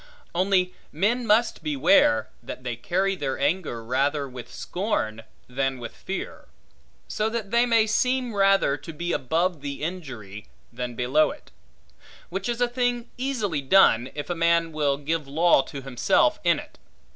Only men must beware, that they carry their anger rather with scorn, than with fear; so that they may seem rather to be above the injury, than below it; which is a thing easily done, if a man will give law to himself in it.